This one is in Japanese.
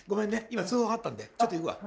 今通報があったんでちょっと行くわ。